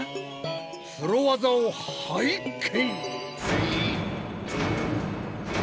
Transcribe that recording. プロ技を拝見！